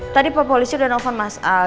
tadi pak polisi udah nelfon mas al